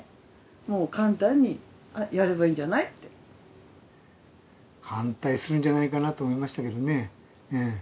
もう簡単に「やればいいんじゃない」って。反対するんじゃないかなと思いましたけどね。